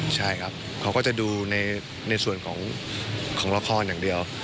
ใช่ครับเขาก็จะดูในส่วนของละครอย่างเดียว